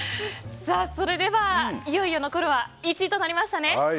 それでは、いよいよ残るは１位となりましたね。